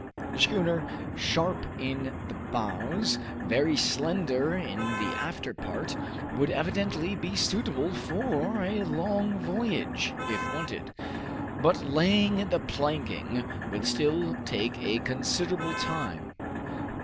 The schooner, sharp in the bows, very slender in the after part, would evidently be suitable for a long voyage, if wanted; but laying the planking would still take a considerable time.